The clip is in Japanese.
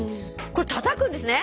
これたたくんですね。